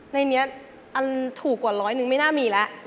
ในนี้อันถูกกว่าร้อยนึงไม่น่ามีแล้ว